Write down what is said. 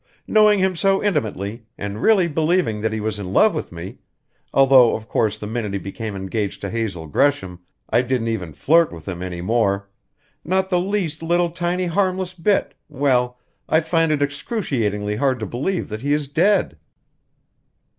Knowing him so intimately, and really believing that he was in love with me although, of course, the minute he became engaged to Hazel Gresham I didn't even flirt with him any more not the least little tiny harmless bit well, I find it excruciatingly hard to believe that he is dead!"